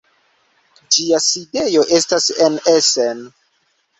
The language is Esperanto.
Ĝia sidejo estas en Essen.